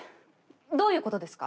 どういうことですか？